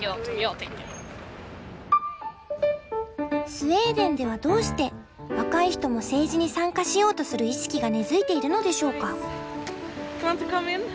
スウェーデンではどうして若い人も政治に参加しようとする意識が根づいているのでしょうか？